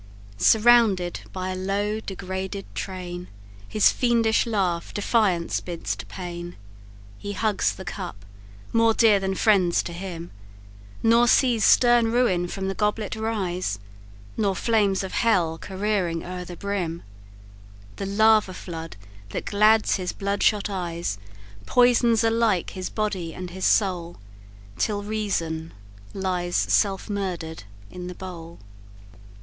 Surrounded by a low, degraded train, His fiendish laugh defiance bids to pain; He hugs the cup more dear than friends to him Nor sees stern ruin from the goblet rise, Nor flames of hell careering o'er the brim, The lava flood that glads his bloodshot eyes Poisons alike his body and his soul, Till reason lies self murder'd in the bowl.